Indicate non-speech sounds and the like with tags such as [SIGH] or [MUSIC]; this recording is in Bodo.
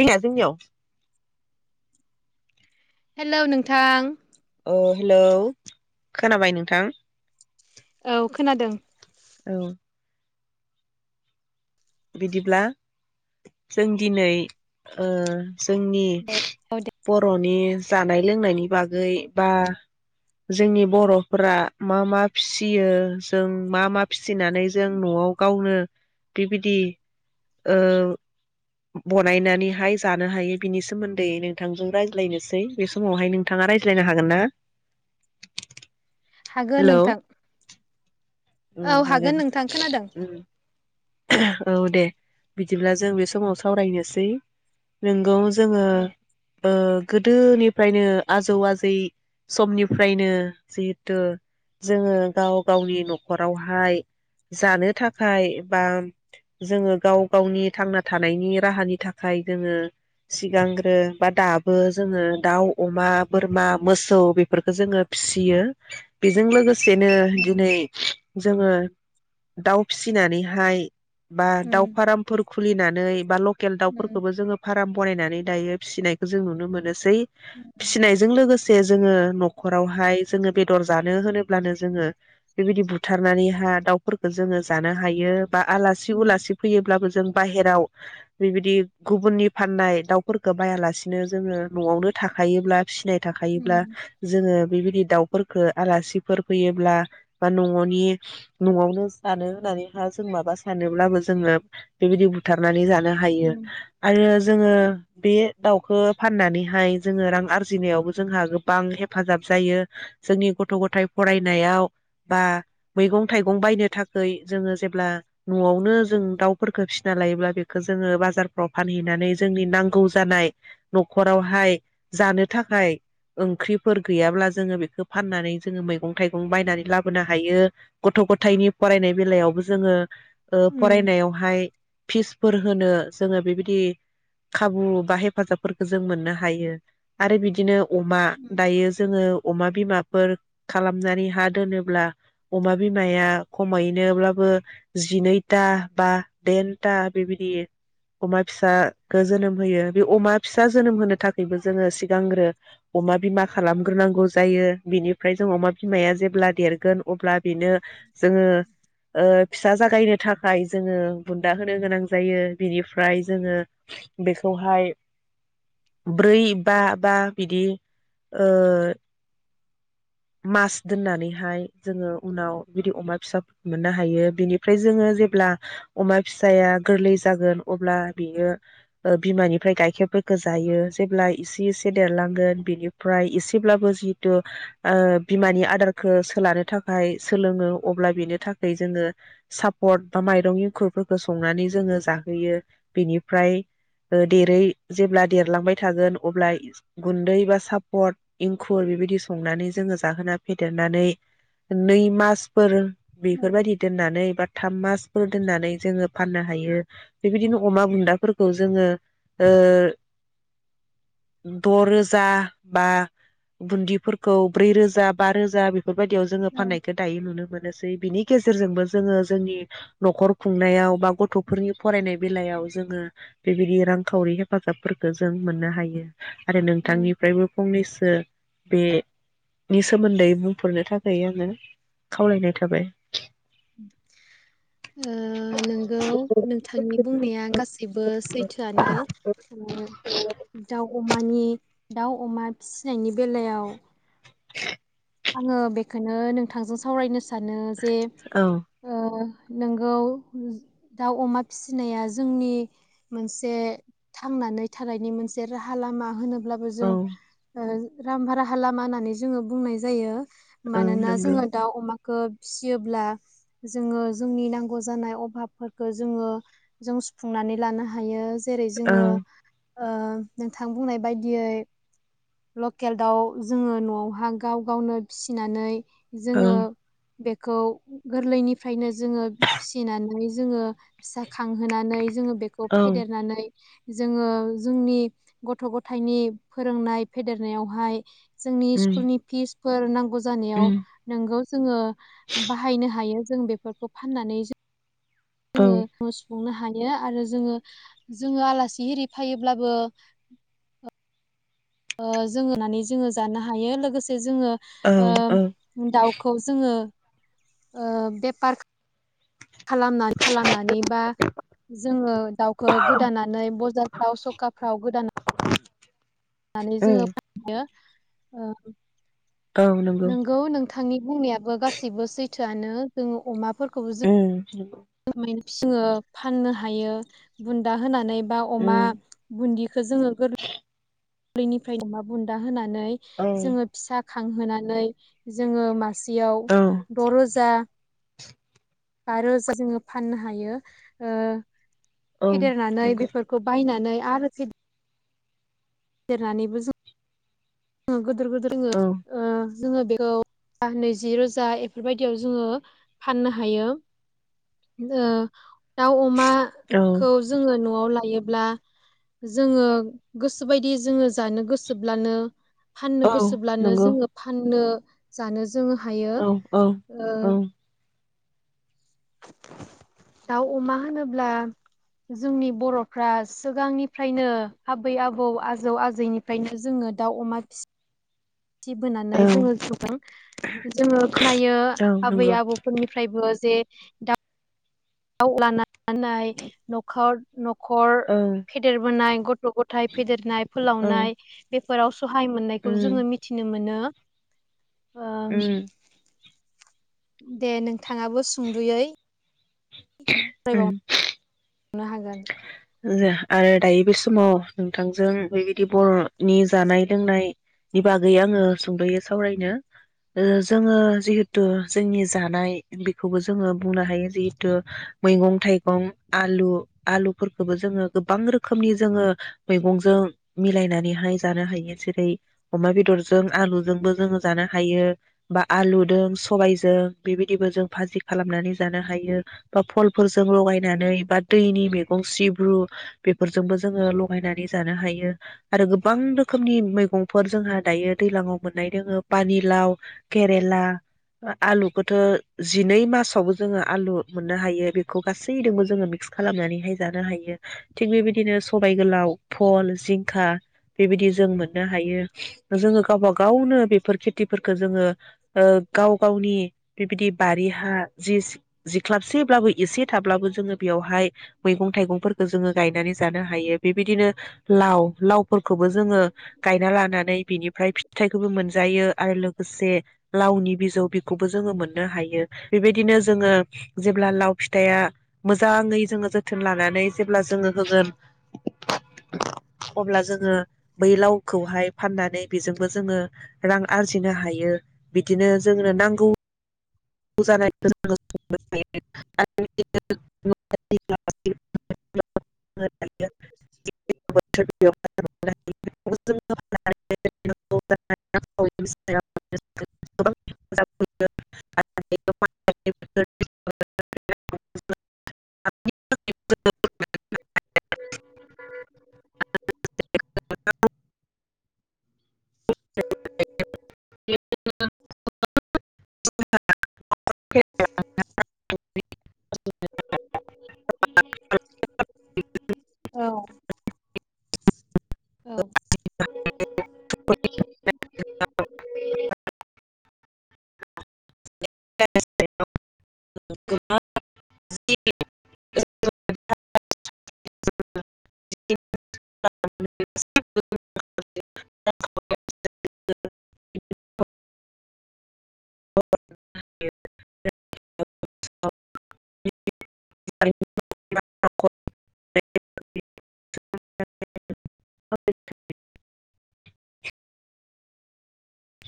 रिङा जोंनियाव हेल' नोंथां अह हेलौ खोनाबाय नोंथां? औ खोनादों। औ। बिदिब्ला जों दिनै ओ जोंनि दे बर'नि जानाय लोंनायनि बागै बा जोंनि बर'फोरा मा मा फिसियो जों मा मा फिसिनानै जों न'आव गावनो बेबायदि ओ बनायनानैहाय जानो हायो बिनि सोमोन्दै नोंथांजों रायज्लायनोसै बे समावहाय नोंथाङा रायज्लायनो हागोन ना? हागोन हेलौ नोंथां औ हागोन नोंथां खोनादों। उम औ दे बिदिब्ला जों बे समाव सावरायनोसै नोंगौ जोङो दे ओ गोदोनिफ्रायनो आजौ आजै समनिफ्रायनो जिहेथु जोङो गाव गावनि न'खरावहाय जानो थाखाय बा जोङो गाव गावनि थांना थानायनि राहानि थाखाय जोङो सिगांग्रो बा दाबो जोङो दाउ अमा बोरमा मोसौ बेफोरखौ जोङो फिसियो बेजों लोगोसे नो उम दिनै जोङो दाउ फिसिनानै हाय बा उम दाउ फारामफोर खुलिनानै बा लकेल दाउफोरखौबो जोङो फाराम बनायनानै दायो फिसिनायखौ जों नुनो मोनो सै उम फिसिनायजों लोगोसे जोङो न'खरावहाय जोङो बेदर जानो होनोब्लानो जोङो बेबायदि बुथारनानैहाय दाउफोरफोरखौ जोङो जानो हायो। बा आलासि उम उलासि फैयोब्लाबो जों बाहेराव बेबायदि गुबुननि फाननाय दाउफोरफोरखौ बायालासिनो जोङो न'आवनो थाखायोब्ला फिसिनाय थाखायोब्ला उम जोङो बेबायदि दाउफोरखौ आलासिफोर फैयोब्ला बा न'नि न'आवनो जानो होननानै जों माबा सानोब्लाबो जोङो बेबायदि बुथारनानै जानो हायो आरो जोङो बे दाउखौ फाननानैहाय जोङो रां आरजिनायावबो जोंहा गोबां हेफाजाब जायो जोंनि गथ' गथाय फरायनायाव बा मैगं थाइगं बायनो थाखाय जोङो जे ब्ला न'आवनो जों दाउफोरखौ फिसिना लायोब्ला बेखो जोङो बाजारफ्राव फानहैनानै जोंनि नांगौ जानाय न'खरावहाय जानो थाखाय ओंख्रिफोर गैयाब्ला जोङो बेखौ फाननानै जोङो मैगं थाइगं बायनानै लाबोनो हायो गथ' गथायनि फरायनाय बेलायावबो जोङो ओ उम फरायनायावहाय फिसफोर होनो जोङो बेबायदि खाबु बा हेफाजाबफोरखौ जों मोननो हायो आरो बिदिनो अमा उम दायो जोङो अमा बिमाफोर खालामनानै हा दोनोब्ला अमा बिमाया खमायनोब्लाबो जिनैथा बा टेनथा बेबायदि अमा फिसाखौ जोनोम होयो बे अमा फिसा जोनोम होनो थाखायबो जोङो सिगांग्रो अमा बिमा खालामग्रोनांगौ जायो बिनिफ्राय जों अमा बिमाया जेब्ला देरगोन अब्ला बेनो जोङो ओ फिसा जागायनो थाखाय जोङो बुन्दा होनो गोनां जायो बिनिफ्राय जोङो बेखौहाय ब्रै बा बा बिदि ओ मास दोननानैहाय जोङो उनाव बिदि अमा फिसाफोरखौ मोननो हायो। बिनिफ्राय जोङो जेब्ला अमा फिसाया गोरलै जागोन अब्ला बियो ओ बिमानिफ्राय गाइखेरफोरखौ जायो जेब्ला एसे एसे देरलांगोन बिनिफ्राय एसेब्लाबो जिहेतु ओ बिमानि आदारखौ सोलानो थाखाय सोलोङो अब्ला बेनि थाखाय जोङो। सापद बा माइरं इंखुरफोरखौ संनानै जोङो जाहोयो बेनिफ्राय देरै जेब्ला देरलांबाय थागोन अब्ला गुन्दै बा सापद इंखुर बेबायदि संनानै जोङो जाहोना फेदेरनानै नै मासफोर औ बेफोरबायदि ओइ बा थाम मासफोर दोननानै जोङो फान्नो हायो बेबादिनो अमा बुनदाफोरखौ जोङो ओ द रोजा बा बुनदिफोरखौ ब्रै रोजा बा रोजा बेफ बेफोरबायदियाव जोङो औ फाननायखौ दायो नुनो मोनोसै बिनि गेजेरजोंबो जोङो जोंनि नखर खुंनायाव बा गथफोरनि फरायनाय बेलायाव जोङो बेबायदि रांखावरि हेफाजाबफोरखौ जों मोननो हायो। आरो औ नोंथांनिफ्रायबो फंनैसो बो बेनि सोमोन्दै बुंफोरनो थाखाय आङो खावलायनाय थाबाय ओ नोंगौ नोंथांनि बुंनाया गासैबो सैथोआनो ओ दाउ अमानि दाउ अमा फिसिनायनि बेलायाव [INAUDIBLE] आङो बेखौनो नोंथांजों सावरायनोसै। सानो जे औ ओ नोंगौ दाउ अमा फिसिनाया जोंनि मोनसे थांनानै थानायनि मोनसे राहा लामा होनो अब्लाबो औ जों ओ राम भारा हालामा होननानै जोङो बुंनाय जायो। औ मानोना नंगौ जोङो दाउ अमा खो फिसियोब्ला जोङो जोंनि नांगौ जानाय अभाबफोरखौ जोङो जों सुफुंनानै लानो हायो। जेरै औ जोङो ओ नोंथां बुंनाय बायदियै लकेल दाउ जोङो नआवहा गाव गावनो फिसिनानै औ जोङो बेखौ गोरलैनिफ्रायनो जोङो फिसिनानै जोङो फिसा खांहोनानै जोङो बेखौ औ फेदेरनानै जोङो जोंनि गथ गथायनि फोरोंनाय फेदेरनायावहाय जोंनि उम स्कुलनि फिस फोरा नांगौ उम जानायाव नोंगौ जोङो बाहायनो हायो जों बेफोरखौ फाननानै जों औ जोङो न सुफुंनो हायो बियो आरो जोङो जोङो आलासि एरि फैायोब्लाबो ओ जोंङो नुनानै जोङो जानो हायो लोगोसे जोङो औ ओ दाउखौ जोङो ओ बेफार खालामना खालामनानै बा जोङो दाउखौ गोदानानै बजारफ्राव सखाफ्राव गोदानानै होननानै उम जोङो फयो ओ औ नंगौ थांनि बुंनायाबो गासिबो सैथोआनो जोङो अमाफोर उ नंगौ फी जोंङो फननो हायो बुन्दा होनानै बा अमा उम बुन्दिखौ जोङो गोर लैनिफ्राय अमा बुन्दा होनाय नै औ जोङो फिसा खांहोनानै जोङो मा सियाव औ द' रोजा बा रोजा जोङो फाननो हायो औ फेदेरनानै नंगौ बेफोरखौ बायनानै आरो फे देरनानैबो जों [UNINTELLIGIBLE] रोङो औ ओ जोङो बेखौ नैजि रोजा बेफोरबायदियाव जोङो फाननो हायो दाउ अमा औ खौ जोङो न' वाव लायोब्ला जोङो सो बायदि जोंङो जानो गोसोब्लानो फाननो औ गोसोब्लानो नंगौ जोंङो फाननो जानो जोंङो हायो औ औ ओ दाउ अमा होनोब्ला जोंनि बर'फ्रा सिगांनिफ्रायनो आबै आबौ आजौ आजैनिफ्रायनो जोंङो दाउ अमा फि सि बोनानै औ जोंङो सुदों जोंङो खोनायो औ आबै नंगौ आबौफोरनिफ्रायबो जे दा दाउ लानानै न'खर न' खर औ फेदेरबोनाय गथ' गथाय फेदेरनाय औ फोलावनाय बे फोराव सहाय मोननायखौ उम जोंङो मिथिनो मोनो। ओ अम दे नों थाङाबो सुंदुयै उम [UNINTELLIGIBLE] नो हागोन आरो दायो बे समाव नोंथांजों बेबायदि बरनि जानाय लोंनायनि बागै आंङो सुंदयै सावरायनो जोंङो जिहेथु जोंनि जानाय बेखौबो जोंङो बुंनो हायो जिहेथु मैगं थाइगं आलु-आलु फोरखोबो जोंङो गोबां रोखोमनि जोंङो मैगंजों मिलायनानैहाय जानो हायो जेरै अमा बेदरजों आलुजोंबो जोंङो जानो हायो बा आलुजों सबायाइजों बेबायदिबो जों भाजि खालामनानै जानो हायो बा फलफोरजों लगायनानै बा दैनि मे गं सिब्रु बेफोरजोंबो जोंङो लगायनानै जानो हायो आरो गोबां रोखोमनि मैगंफोर जोंहा दायो दैलांआव मोननाय दोंङो पानिलाव केरेला आलुखौथ जिनै मासावबो जोंङो आलु मोननो हायो बेखौ गासैजोंबो जोंङो मिक्स खालामनानैहाय जानो हायो थिग बेबायदिनो सबाय गोलाव फल जिंखा बेबायदि जों मोननो हायो। जोंङो गावबा गावनो बेफोर खेथिफोरखौ जोंङो ओ गाव गावनि बिबायदि बारि हा जि-जिख्लाबसे अब्लाबो एसे थाब्लाबो जोंङो बेयावहाय मैगं थाइगंफोरखो जोंङो गायनानै जानो हायो बेबायदिनो लाव-लावफोरखो बो जोंङो गायना लानानै बिनिफ्राय फिथाइखौबो मोनजायो आरो लोगोसे लावनि बिजौ बेखौबो जोंङो मोननो हायो बेबायदिनो जोंङो जेब्ला लाव फिथाइया मोजाङै जोंङो जो लानानै जेब्ला जोंङो होगोन अब्ला जोंङो बै लावखौहाय फाननानै बेजोंबो जोंङो रां आरजिनो हायो बि दिनो जोंनो नांगौ [UNINTELLIGIBLE] [UNINTELLIGIBLE] [UNINTELLIGIBLE] [UNINTELLIGIBLE] [UNINTELLIGIBLE] [INAUDIBLE] [UNINTELLIGIBLE] [UNINTELLIGIBLE] [INAUDIBLE] [UNINTELLIGIBLE] औ औ [UNINTELLIGIBLE] [INAUDIBLE] [UNINTELLIGIBLE] [UNINTELLIGIBLE] [UNINTELLIGIBLE]